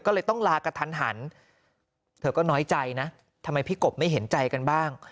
ก็เลยต้องลากระทันหันเธอก็น้อยใจนะทำไมพี่กบไม่เห็นใจกันบ้าง